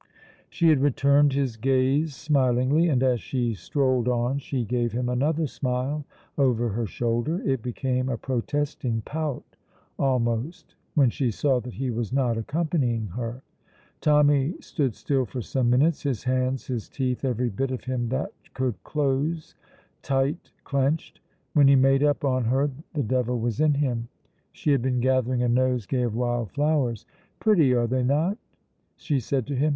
She had returned his gaze smilingly, and as she strolled on she gave him another smile over her shoulder; it became a protesting pout almost when she saw that he was not accompanying her. Tommy stood still for some minutes, his hands, his teeth, every bit of him that could close, tight clenched. When he made up on her, the devil was in him. She had been gathering a nosegay of wild flowers. "Pretty, are they not?" she said to him.